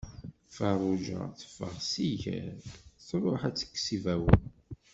Farruǧa teffeɣ s iger, truḥ ad d-tekkes ibawen.